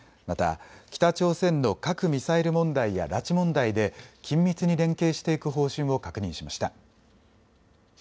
また北朝鮮の核・ミサイル問題や拉致問題で緊密に連携していく方針を確認しました。